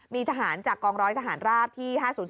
มีทหารจากกองร้อยทหารราบที่๕๐๔